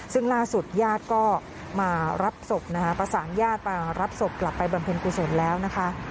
ซึ่งล่าสุดญาติก็มารับศพนะคะประสานญาติมารับศพกลับไปบำเพ็ญกุศลแล้วนะคะ